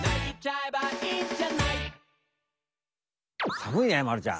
さむいねまるちゃん。